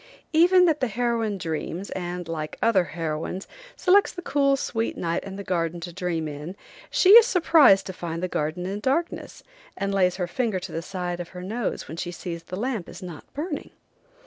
Even that heroine dreams, and, like other heroines, selects the cool, sweet night and the garden to dream in. She is surprised to find the garden in darkness, and lays her finger to the side of her nose when she sees the lamp is not burning.